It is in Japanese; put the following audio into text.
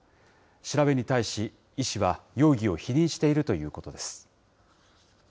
調べに対し、医師は容疑を否認しているということです。